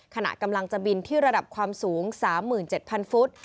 ขณะกำลังจะบินที่ระดับความสูง๓๗๐๐ฟุต